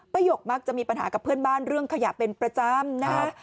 หยกมักจะมีปัญหากับเพื่อนบ้านเรื่องขยะเป็นประจำนะฮะ